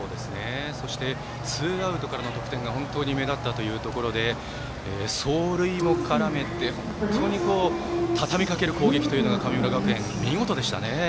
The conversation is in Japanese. そしてツーアウトからの得点が本当に目立ったというところで走塁も絡めて、本当にたたみかける攻撃というのが神村学園、見事でしたね。